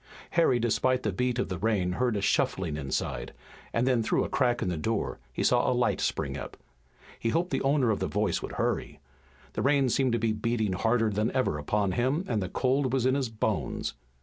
Harry, despite the beat of the rain, heard a shuffling inside, and then, through a crack in the door, he saw a light spring up. He hoped the owner of the voice would hurry. The rain seemed to be beating harder than ever upon him and the cold was in his bones.